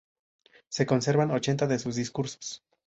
Se conservan ochenta de sus "Discursos".